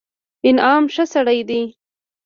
انعام ښه سړى دئ.